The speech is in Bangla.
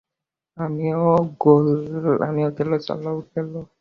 আমও গেলো, চালাও গেলো।